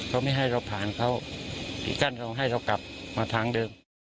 เขาไม่ให้เราผ่านเขาปิดกั้นเขาให้เรากลับมาทางเดิม